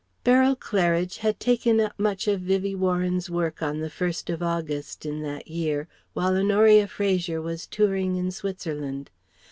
Beryl Claridge had taken up much of Vivie Warren's work on the 1st of August in that year, while Honoria Fraser was touring in Switzerland.